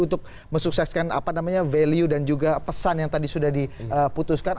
untuk mensukseskan value dan juga pesan yang tadi sudah diputuskan